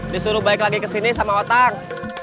disuruh balik lagi kesini sama otang